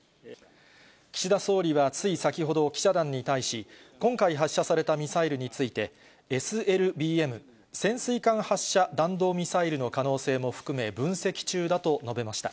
岸田総理はつい先ほど、記者団に対し、今回発射されたミサイルについて、ＳＬＢＭ・潜水艦発射弾道ミサイルの可能性も含め、分析中だと述べました。